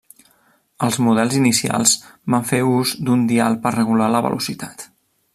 Els models inicials van fer ús d'un dial per regular la velocitat.